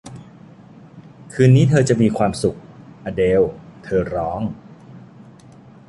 คืนนี้เธอจะมีความสุข อเดล เธอร้อง